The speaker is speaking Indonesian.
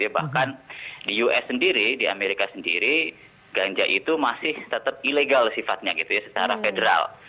bahkan di us sendiri di amerika sendiri ganja itu masih tetap ilegal sifatnya gitu ya secara federal